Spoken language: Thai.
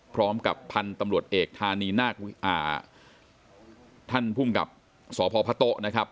พร้อมกับพันธุ์ตำรวจเอกธานีนาคท่านภูมิกับสพพโต๊ะนะครับ